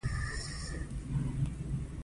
جسم له مادي خوړو پرته له کاره غورځي.